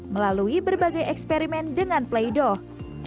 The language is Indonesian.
melalui berbagai eksperimen dengan play doh